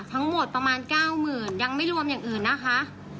ทั้งหมดประมาณ๙๐๐ยังไม่รวมอย่างอื่นนะคะ